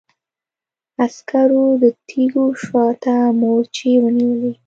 عسکرو د تيږو شا ته مورچې ونيولې.